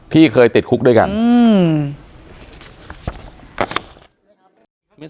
ที่เคยติดคุกด้วยกันอืม